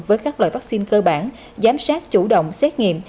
với các loại vaccine cơ bản giám sát chủ động xét nghiệm